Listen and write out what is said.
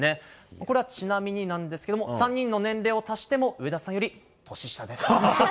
これはちなみになんですけれども、３人の年齢を足しても上田さんより年下です。